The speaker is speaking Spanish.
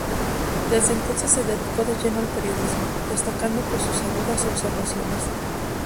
Desde entonces se dedicó de lleno al periodismo, destacando por sus agudas observaciones.